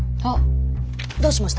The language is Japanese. どうしました？